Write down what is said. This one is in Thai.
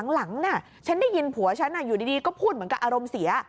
หลังฉันได้ยินผัวฉันอยู่ดีก็พูดเหมือนกับอารมณ์เสีย